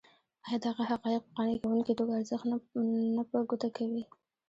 ایا دغه حقایق په قانع کوونکې توګه ارزښت نه په ګوته کوي.